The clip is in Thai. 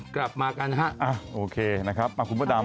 กลับมากันครับนะฮะโอเคนะครับมหาคุณฯพอดำ